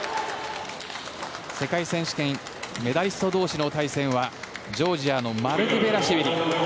世界選手権メダリスト同士の対戦はジョージアのマルクベラシュビリ。